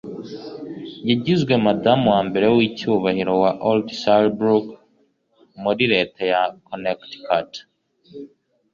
yagizwe Madamu wa mbere w’icyubahiro wa Old Saybrook, muri leta ya Connecticut